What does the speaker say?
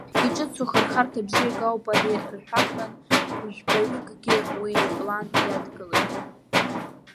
Иҿыцу хырхарҭа бзиак ауп ари рҳәахын, жәпаҩыкгьы уи иплан иадгылеит.